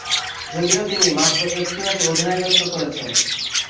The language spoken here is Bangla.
যদিও তিনি মাত্র একটি ম্যাচে অধিনায়কত্ব করেছেন।